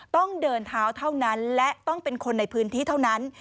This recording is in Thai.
ต้องเดินเท้าเท่านั้นและต้องเป็นคนในพื้นที่เท่านั้น